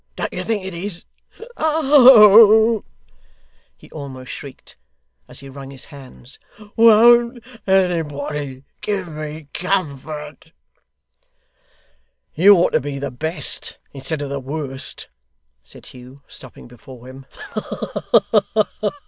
Don't you think it is? Oh!' he almost shrieked, as he wrung his hands, 'won't anybody give me comfort!' 'You ought to be the best, instead of the worst,' said Hugh, stopping before him.